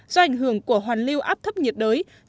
do ảnh hưởng của hoàn lưu áp thấp nhiệt đới